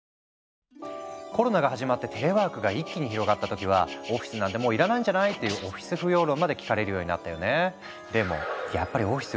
コロナが始まってテレワークが一気に広がった時は「オフィスなんてもう要らないんじゃない？」っていう「オフィス不要論」まで聞かれるようになったよね。